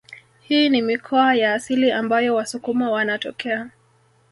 Hii ni mikoa ya asili ambayo wasukuma wanatokea